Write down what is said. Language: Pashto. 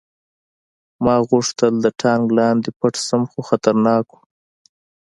ما غوښتل د ټانک لاندې پټ شم خو خطرناک و